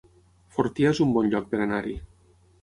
Fortià es un bon lloc per anar-hi